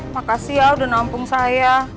makasih ya sudah menampung saya